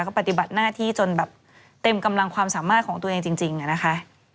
ก็ปฏิบัติหน้าที่จนแบบเต็มกำลังความสามารถของตัวเองจริงอะนะคะ